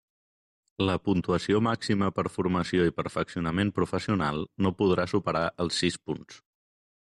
La puntuació màxima per formació i perfeccionament professional no podrà superar els sis punts.